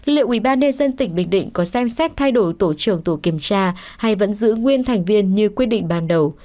liệu ubnd tỉnh bình định có xem xét thay đổi tổ trưởng tổ kiểm tra hay vẫn giữ nguyên thành viên như quyết định ban đầu